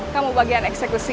kamu bagian eksekusi